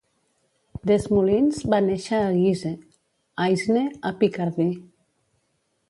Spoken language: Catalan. Desmoulins va néixer a Guise, Aisne, a Picardy.